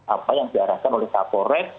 apa yang diarahkan oleh kapolres